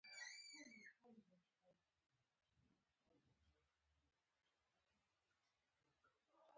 محمد ابراهیم خواخوږی د لیکوالۍ ترڅنګ ښه شاعر هم ؤ.